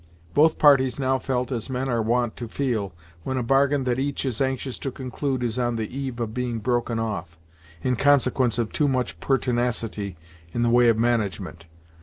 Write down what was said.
Both parties now felt as men are wont to feel, when a bargain that each is anxious to conclude is on the eve of being broken off, in consequence of too much pertinacity in the way of management.